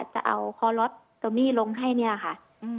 จะเอาคอล็อตโตมี่ลงให้เนี่ยค่ะ